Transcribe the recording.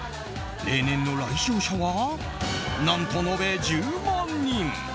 例年の来場者は何と延べ１０万人。